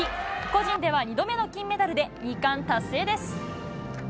個人では２度目の金メダルで２冠達成です。